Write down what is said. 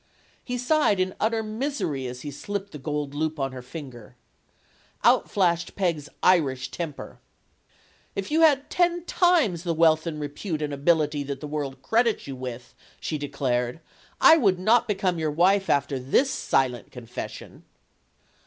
He sighed in utter misery as he slipped the gold loop on her finger. Out flashed Peg's Irish temper. "If you had ten times the wealth and repute and ability that the world credits you with," she declared, 4 'I would not become your wife after this silent con fession."